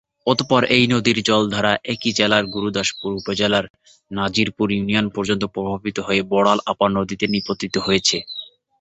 অতঃপর এই নদীর জলধারা একই জেলার গুরুদাসপুর উপজেলার নাজিরপুর ইউনিয়ন পর্যন্ত প্রবাহিত হয়ে বড়াল আপার নদীতে নিপতিত হয়েছে।